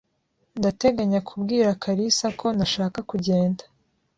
Ndateganya kubwira Kalisa ko ntashaka kugenda.